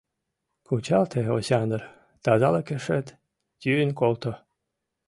— Кучалте, Осяндр, тазалыкешет йӱын колто.